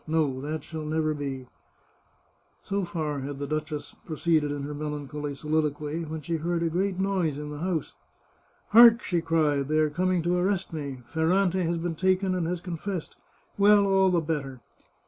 ... No, that shall never be !" So far had the duchess proceeded in her melancholy soliloquy when she heard a great noise in the house. " Hark !" she cried ;" they are coming to arrest me ! Ferrante has been taken and has confessed. Well, all the better.